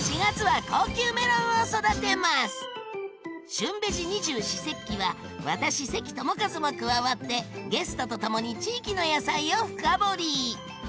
「旬ベジ二十四節気」は私関智一も加わってゲストとともに地域の野菜を深掘り！